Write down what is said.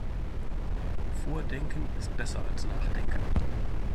Vordenken ist besser als Nachdenken.